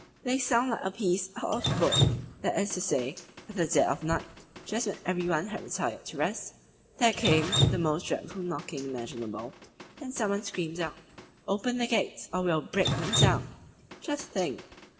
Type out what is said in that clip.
They sound like a piece out of a book. That is to say, at dead of night, just when every one had retired to rest, there came the most dreadful knocking imaginable, and some one screamed out, 'Open the gates, or we will break them down!' Just think!